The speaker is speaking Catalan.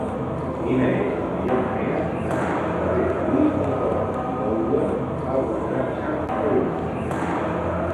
Quina és la millor manera d'anar del carrer de Lluís Nicolau i d'Olwer al passatge de Lugo?